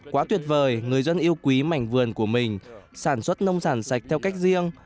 quá tuyệt vời người dân yêu quý mảnh vườn của mình sản xuất nông sản sạch theo cách riêng